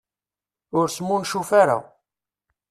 Ur smuncuf ara.